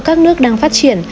ở các nước đang phát triển